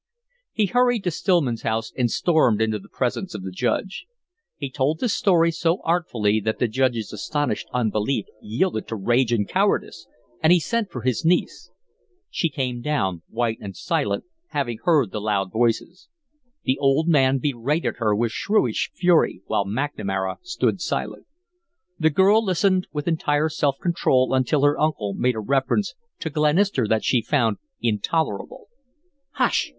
He hurried to Stillman's house and stormed into the presence of the Judge. He told the story so artfully that the Judge's astonished unbelief yielded to rage and cowardice, and he sent for his niece. She came down, white and silent, having heard the loud voices. The old man berated her with shrewish fury, while McNamara stood silent. The girl listened with entire self control until her uncle made a reference to Glenister that she found intolerable. "Hush!